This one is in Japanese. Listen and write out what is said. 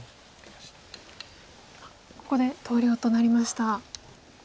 ここで投了となりました。